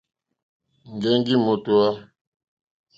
Ŋgεŋgi mòtohwa.